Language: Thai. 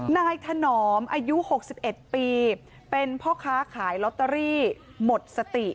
ถนอมอายุ๖๑ปีเป็นพ่อค้าขายลอตเตอรี่หมดสติ